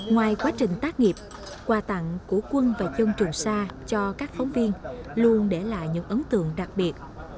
ngoài quá trình tác nghiệp quà tặng của quân và dân trường sa cho các phóng viên luôn để lại những ấn tượng đặc biệt